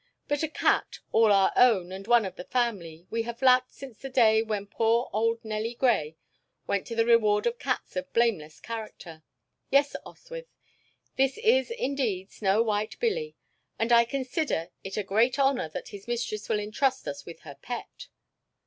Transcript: "But a cat, all our own, and one of the family, we have lacked since the day when poor old Nellie Grey went to the reward of cats of blameless character. Yes, Oswyth; this is, indeed, snow white Billy, and I consider it a great honor that his mistress will intrust us with her pet."